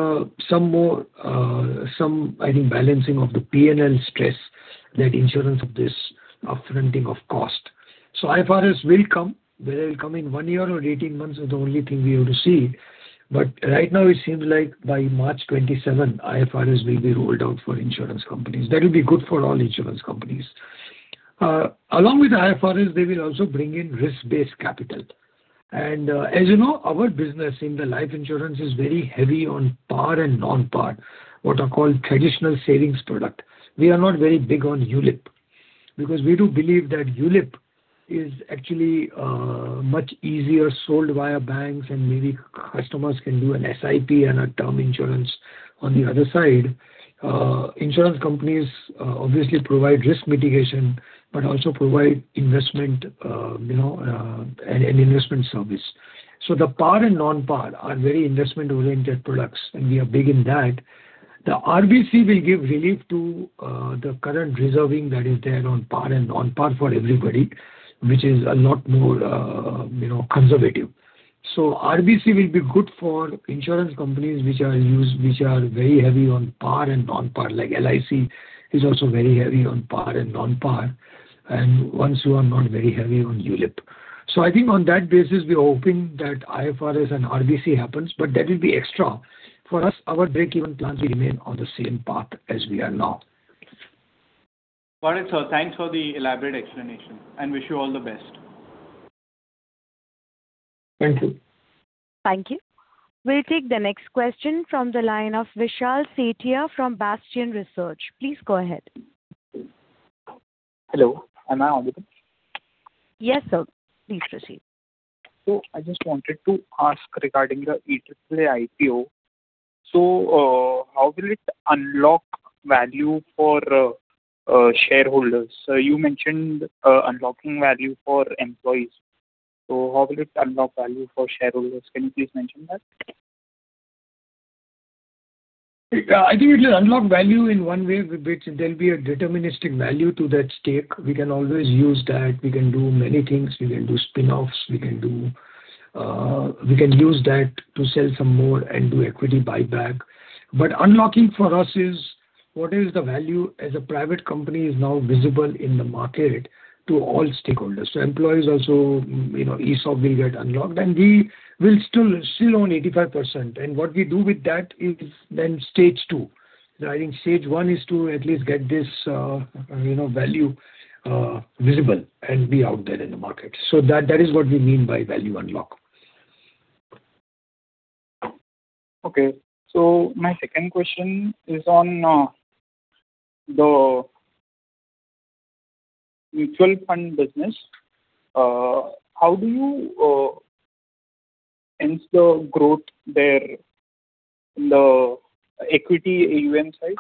some more, I think, balancing of the P&L stress that insurance. Of this upfronting of cost. So IFRS will come. Whether it'll come in 1 year or 18 months is the only thing we have to see. But right now, it seems like by March 27, IFRS will be rolled out for insurance companies. That will be good for all insurance companies. Along with the IFRS, they will also bring in risk-based capital. And as you know, our business in the life insurance is very heavy on par and nonpar, what are called traditional savings products. We are not very big on ULIP because we do believe that ULIP is actually much easier sold via banks, and maybe customers can do an SIP and a term insurance on the other side. Insurance companies obviously provide risk mitigation but also provide investment and investment service. So the par and nonpar are very investment-oriented products, and we are big in that. The RBC will give relief to the current reserving that is there on Par and non-Par for everybody, which is a lot more conservative. So RBC will be good for insurance companies which are very heavy on Par and non-Par. Like LIC is also very heavy on Par and non-Par. And once you are not very heavy on ULIP. So I think on that basis, we are hoping that IFRS and RBC happens, but that will be extra. For us, our break-even plans, we remain on the same path as we are now. Got it, sir. Thanks for the elaborate explanation. Wish you all the best. Thank you. Thank you. We'll take the next question from the line of Vishal Setia from Bastion Research. Please go ahead. Hello. Am I audible? Yes, sir. Please proceed. I just wanted to ask regarding the EAAA IPO. How will it unlock value for shareholders? You mentioned unlocking value for employees. How will it unlock value for shareholders? Can you please mention that? I think it will unlock value in one way, which there'll be a deterministic value to that stake. We can always use that. We can do many things. We can do spin-offs. We can use that to sell some more and do equity buyback. But unlocking for us is what is the value as a private company is now visible in the market to all stakeholders. So employees also, ESOP will get unlocked, and we will still own 85%. And what we do with that is then stage two. I think stage one is to at least get this value visible and be out there in the market. So that is what we mean by value unlock. Okay. So my second question is on the mutual fund business. How do you ensure growth there in the equity AUM side?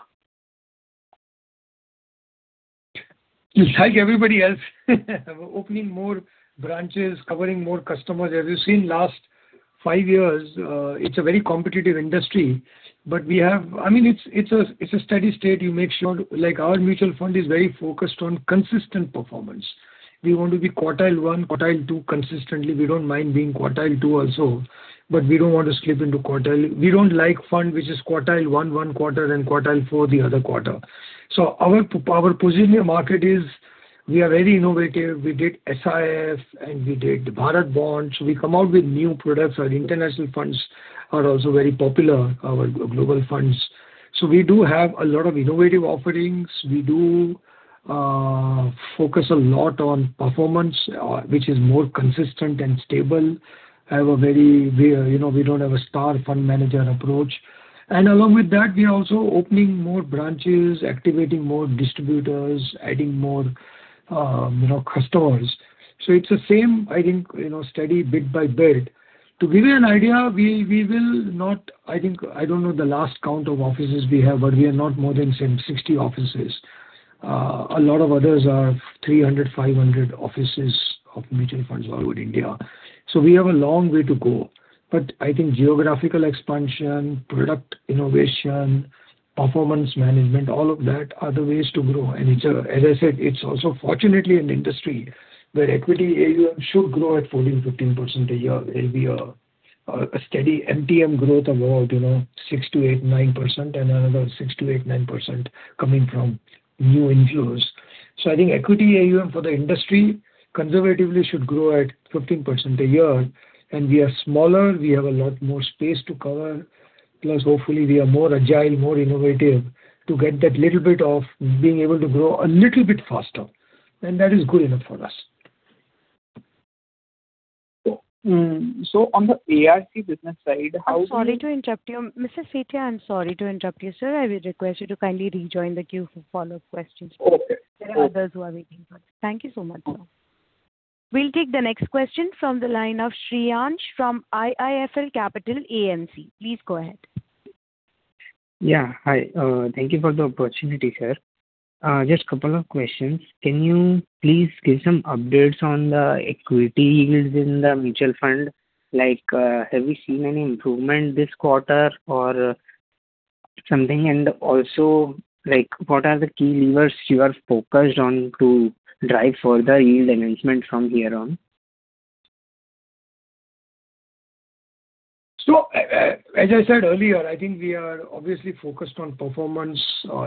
It's like everybody else. Opening more branches, covering more customers. As you've seen last five years, it's a very competitive industry. But I mean, it's a steady state. Our mutual fund is very focused on consistent performance. We want to be quartile one, quartile two consistently. We don't mind being quartile two also, but we don't want to slip into quartile we don't like fund which is quartile one, one quarter, and quartile four, the other quarter. So our position in the market is we are very innovative. We did SIF, and we did Bharat Bond. So we come out with new products. Our international funds are also very popular, our global funds. So we do have a lot of innovative offerings. We do focus a lot on performance, which is more consistent and stable. We don't have a star fund manager approach. And along with that, we are also opening more branches, activating more distributors, adding more customers. So it's the same, I think, steady bit by bit. To give you an idea, we will not—I don't know the last count of offices we have, but we are not more than 60 offices. A lot of others are 300-500 offices of mutual funds all over India. So we have a long way to go. But I think geographical expansion, product innovation, performance management, all of that are the ways to grow. And as I said, it's also fortunately an industry where equity AUM should grow at 14%-15% a year. There'll be a steady MTM growth of about 6%-9%, and another 6%-9% coming from new inflows. I think equity AUM for the industry conservatively should grow at 15% a year. We are smaller. We have a lot more space to cover. Hopefully, we are more agile, more innovative to get that little bit of being able to grow a little bit faster. That is good enough for us. On the AIC business side, how do you? I'm sorry to interrupt you. Mr. Setia, I'm sorry to interrupt you, sir. I would request you to kindly rejoin the queue for follow-up questions. There are others who are waiting for us. Thank you so much, sir. We'll take the next question from the line of Shreyans from IIFL Securities. Please go ahead. Yeah. Hi. Thank you for the opportunity, sir. Just a couple of questions. Can you please give some updates on the equity yields in the mutual fund? Have we seen any improvement this quarter or something? And also, what are the key levers you are focused on to drive further yield enhancement from here on? So as I said earlier, I think we are obviously focused on performance,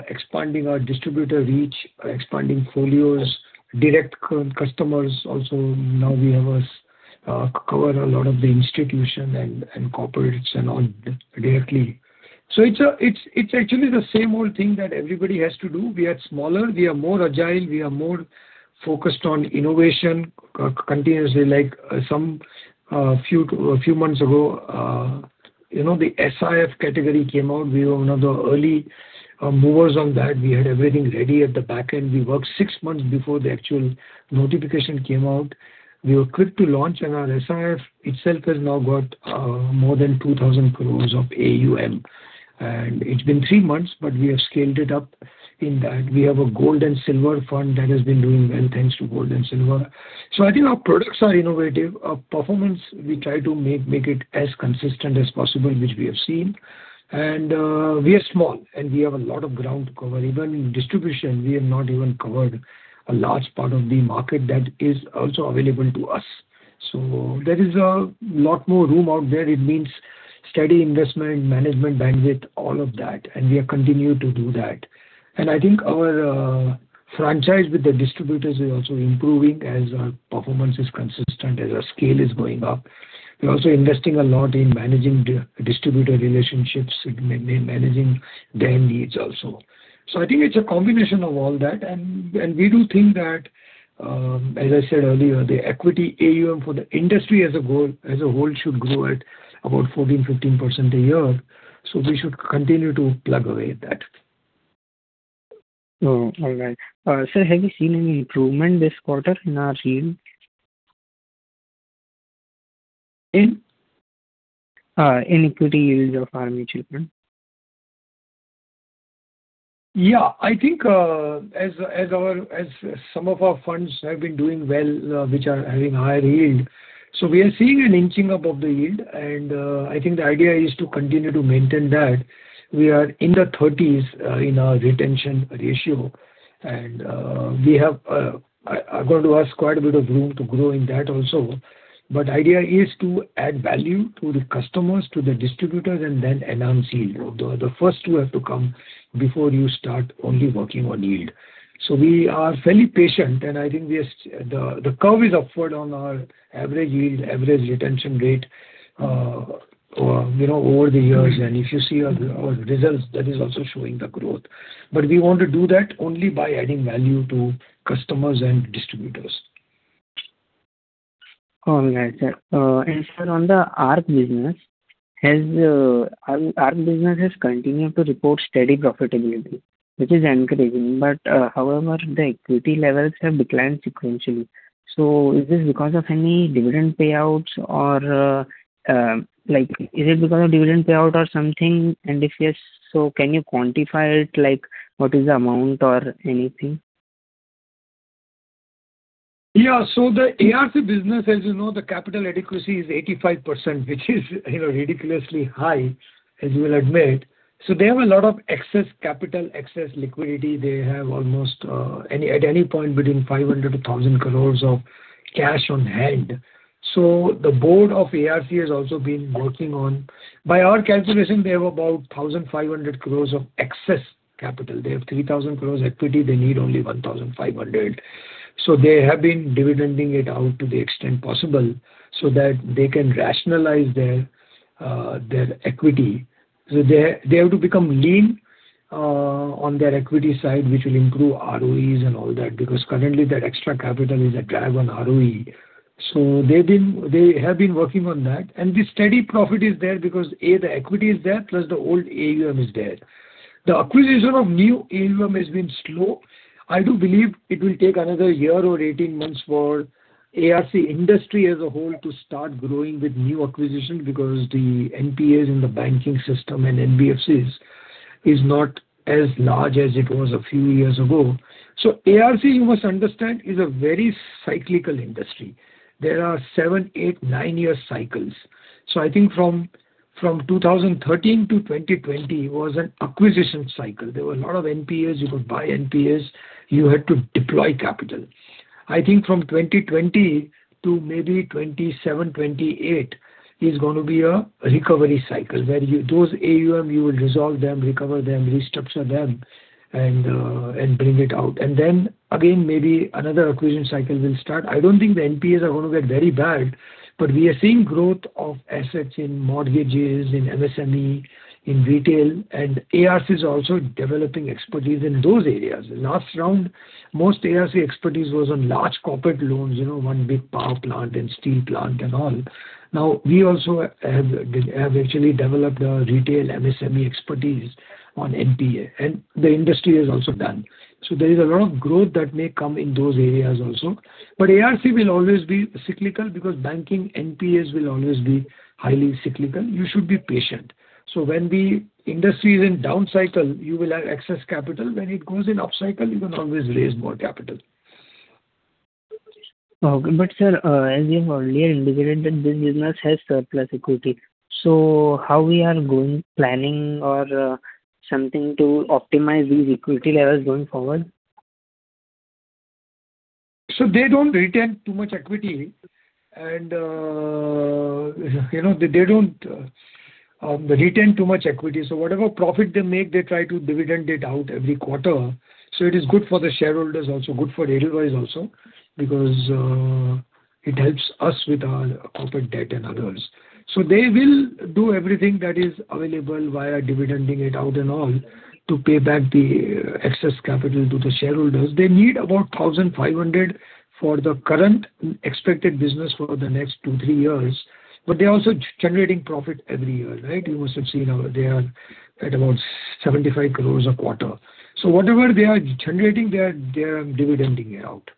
expanding our distributor reach, expanding folios, direct customers. Also, now we cover a lot of the institution and corporates and all directly. So it's actually the same old thing that everybody has to do. We are smaller. We are more agile. We are more focused on innovation continuously. A few months ago, the SIF category came out. We were one of the early movers on that. We had everything ready at the back end. We worked six months before the actual notification came out. We were quick to launch, and our SIF itself has now got more than 2,000 crores of AUM. And it's been three months, but we have scaled it up in that. We have a gold and silver fund that has been doing well thanks to gold and silver. So I think our products are innovative. Our performance, we try to make it as consistent as possible, which we have seen. And we are small, and we have a lot of ground to cover. Even in distribution, we have not even covered a large part of the market that is also available to us. So there is a lot more room out there. It means steady investment, management bandwidth, all of that. And we continue to do that. And I think our franchise with the distributors is also improving as our performance is consistent, as our scale is going up. We're also investing a lot in managing distributor relationships, managing their needs also. So I think it's a combination of all that. And we do think that, as I said earlier, the equity AUM for the industry as a whole should grow at about 14%-15% a year. We should continue to plug away at that. All right. Sir, have you seen any improvement this quarter in our yield in equity yields of our mutual fund? Yeah. I think as some of our funds have been doing well, which are having higher yield. So we are seeing an inching up of the yield. I think the idea is to continue to maintain that. We are in the 30s in our retention ratio. We are going to ask quite a bit of room to grow in that also. The idea is to add value to the customers, to the distributors, and then announce yield. The first two have to come before you start only working on yield. We are fairly patient, and I think the curve is upward on our average yield, average retention rate over the years. If you see our results, that is also showing the growth. We want to do that only by adding value to customers and distributors. All right, sir. And sir, on the ARC business, ARC business has continued to report steady profitability, which is encouraging. But however, the equity levels have declined sequentially. So is this because of any dividend payouts? Or is it because of dividend payout or something? And if yes, so can you quantify it? What is the amount or anything? Yeah. So the ARC business, as you know, the capital adequacy is 85%, which is ridiculously high, as you will admit. So they have a lot of excess capital, excess liquidity. They have almost at any point between 500-1,000 crore of cash on hand. So the board of ARC has also been working on by our calculation, they have about 1,500 crore of excess capital. They have 3,000 crore equity. They need only 1,500. So they have been dividending it out to the extent possible so that they can rationalize their equity. So they have to become lean on their equity side, which will improve ROEs and all that because currently, that extra capital is a drag on ROE. So they have been working on that. And the steady profit is there because, A, the equity is there, plus the old AUM is there. The acquisition of new AUM has been slow. I do believe it will take another year or 18 months for ARC industry as a whole to start growing with new acquisition because the NPAs in the banking system and NBFCs are not as large as it was a few years ago. So ARC, you must understand, is a very cyclical industry. There are 7-, 8-, 9-year cycles. So I think from 2013 to 2020 was an acquisition cycle. There were a lot of NPAs. You could buy NPAs. You had to deploy capital. I think from 2020 to maybe 2027, 2028 is going to be a recovery cycle where those AUM, you will resolve them, recover them, restructure them, and bring it out. And then again, maybe another acquisition cycle will start. I don't think the NPAs are going to get very bad, but we are seeing growth of assets in mortgages, in MSME, in retail. ARC is also developing expertise in those areas. Last round, most ARC expertise was on large corporate loans, one big power plant and steel plant and all. Now, we also have actually developed a retail MSME expertise on NPA. The industry has also done. There is a lot of growth that may come in those areas also. ARC will always be cyclical because banking NPAs will always be highly cyclical. You should be patient. When the industry is in down cycle, you will have excess capital. When it goes in up cycle, you can always raise more capital. Sir, as you have earlier indicated, this business has surplus equity. How we are going planning or something to optimize these equity levels going forward? So they don't retain too much equity. And they don't retain too much equity. So whatever profit they make, they try to dividend it out every quarter. So it is good for the shareholders also, good for Edelweiss also because it helps us with our corporate debt and others. So they will do everything that is available via dividending it out and all to pay back the excess capital to the shareholders. They need about 1,500 crore for the current expected business for the next 2-3 years. But they are also generating profit every year, right? You must have seen they are at about 75 crore a quarter. So whatever they are generating, they are dividending it out.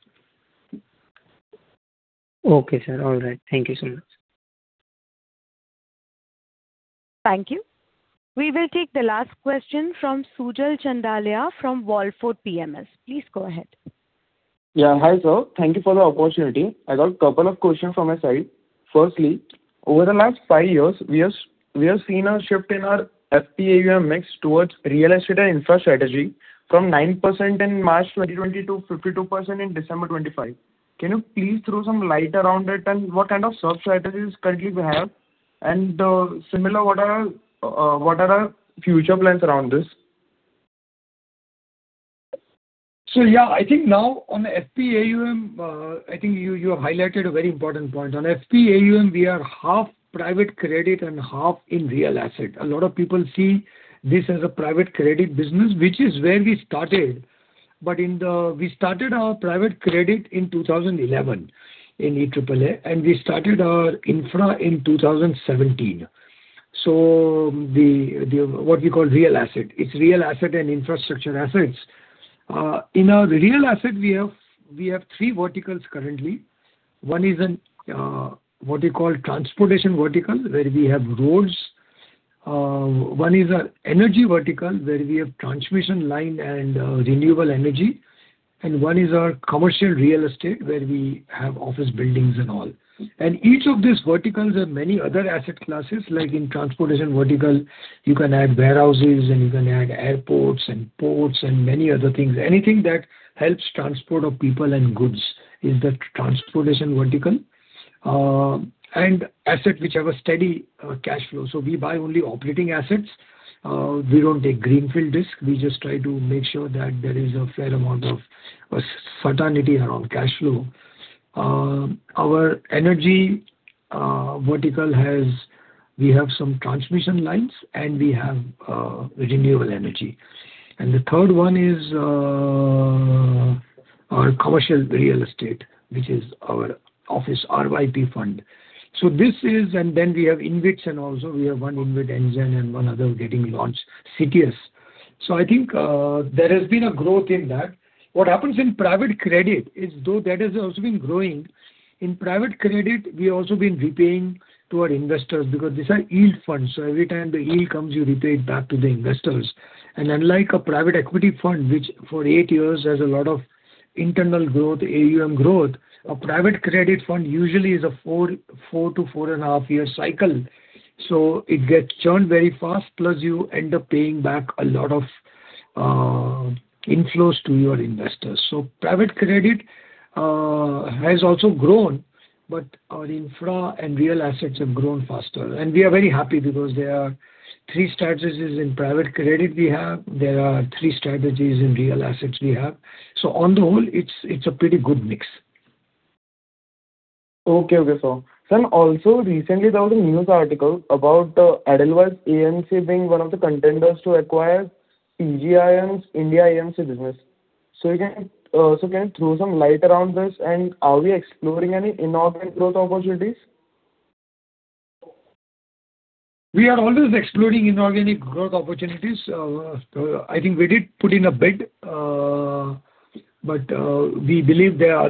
Okay, sir. All right. Thank you so much. Thank you. We will take the last question from Sujal Chandaliya from Wallfort PMS. Please go ahead. Yeah. Hi, sir. Thank you for the opportunity. I got a couple of questions from my side. Firstly, over the last five years, we have seen a shift in our FPAUM mix towards real estate and infrastructure from 9% in March 2020 to 52% in December 2025. Can you please throw some light around it and what kind of sub-strategies currently we have? And similar, what are our future plans around this? So yeah, I think now on FPAUM, I think you have highlighted a very important point. On FPAUM, we are half private credit and half in real asset. A lot of people see this as a private credit business, which is where we started. But we started our private credit in 2011 in EAAA, and we started our infra in 2017. So what we call real asset, it's real asset and infrastructure assets. In our real asset, we have three verticals currently. One is what we call transportation vertical where we have roads. One is our energy vertical where we have transmission line and renewable energy. And one is our commercial real estate where we have office buildings and all. And each of these verticals have many other asset classes. Like in transportation vertical, you can add warehouses, and you can add airports and ports and many other things. Anything that helps transport of people and goods is the transportation vertical. And asset which have a steady cash flow. So we buy only operating assets. We don't take greenfield risk. We just try to make sure that there is a fair amount of certainty around cash flow. Our energy vertical, we have some transmission lines, and we have renewable energy. And the third one is our commercial real estate, which is our office RYP Fund. So this is, and then we have InvITs and also. We have one Anzen InvIT and one other getting launched, CTS. So I think there has been a growth in that. What happens in private credit is though that has also been growing. In private credit, we have also been repaying to our investors because these are yield funds. So every time the yield comes, you repay it back to the investors. Unlike a private equity fund, which for eight years has a lot of internal growth, AUM growth, a private credit fund usually is a four- to 4.5-year cycle. So it gets churned very fast, plus you end up paying back a lot of inflows to your investors. So private credit has also grown, but our infra and real assets have grown faster. And we are very happy because there are three strategies in private credit we have. There are three strategies in real assets we have. So on the whole, it's a pretty good mix. Okay, okay, sir. Sir, also, recently, there was a news article about Edelweiss ARC being one of the contenders to acquire PGIM's India AMC business. So can you throw some light around this? And are we exploring any inorganic growth opportunities? We are always exploring inorganic growth opportunities. I think we did put in a bid, but we believe there are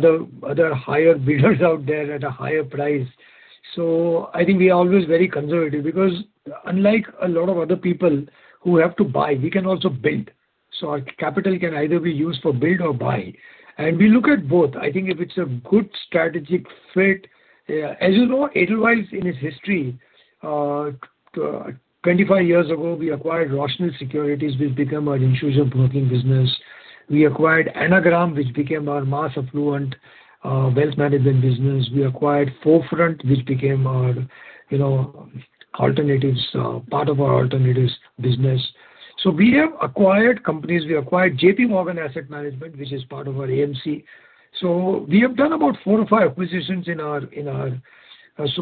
other higher bidders out there at a higher price. So I think we are always very conservative because unlike a lot of other people who have to buy, we can also build. So our capital can either be used for build or buy. And we look at both. I think if it's a good strategic fit as you know, Edelweiss, in its history, 25 years ago, we acquired Rooshnil Securities, which became an insurance broking business. We acquired Anagram, which became our mass affluent wealth management business. We acquired Forefront, which became our alternatives, part of our alternative business. So we have acquired companies. We acquired J.P. Morgan Asset Management, which is part of our AMC. We have done about four or five acquisitions in our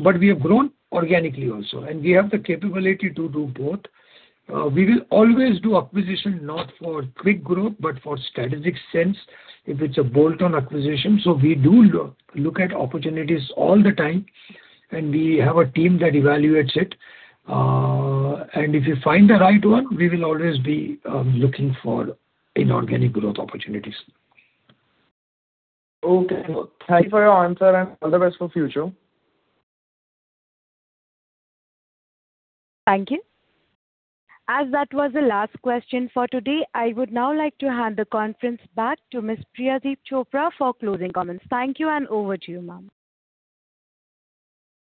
but we have grown organically also. We have the capability to do both. We will always do acquisition not for quick growth, but for strategic sense if it's a bolt-on acquisition. We do look at opportunities all the time, and we have a team that evaluates it. If we find the right one, we will always be looking for inorganic growth opportunities. Okay. Thank you for your answer, and all the best for future. Thank you. As that was the last question for today, I would now like to hand the conference back to Miss Priyadeep Chopra for closing comments. Thank you, and over to you, ma'am.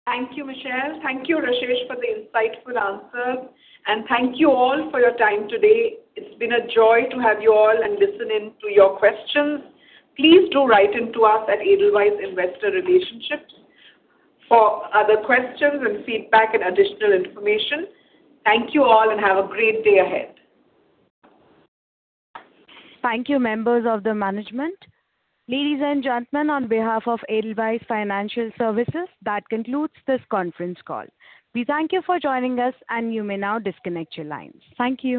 Thank you, Michelle. Thank you, Rashesh, for the insightful answers. Thank you all for your time today. It's been a joy to have you all and listen in to your questions. Please do write into us at Edelweiss Investor Relationships for other questions and feedback and additional information. Thank you all, and have a great day ahead. Thank you, members of the management. Ladies and gentlemen, on behalf of Edelweiss Financial Services, that concludes this conference call. We thank you for joining us, and you may now disconnect your lines. Thank you.